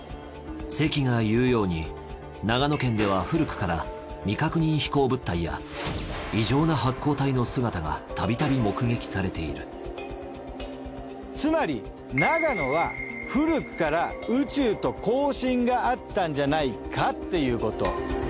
関が言うように長野県では古くから未確認飛行物体や異常な発光体の姿がたびたび目撃されているつまり長野は古くから宇宙と交信があったんじゃないかっていうこと。